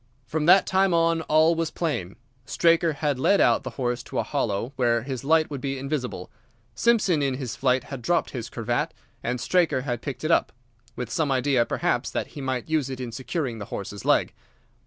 "From that time on all was plain. Straker had led out the horse to a hollow where his light would be invisible. Simpson in his flight had dropped his cravat, and Straker had picked it up—with some idea, perhaps, that he might use it in securing the horse's leg.